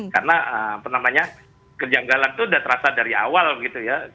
karena penamanya kejanggalan itu sudah terasa dari awal gitu ya